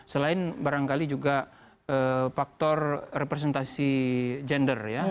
selain barangkali juga faktor representasi gender ya